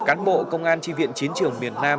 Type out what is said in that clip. cán bộ công an tri viện chiến trường miền nam